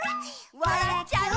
「わらっちゃう」